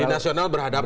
di nasional berhadapan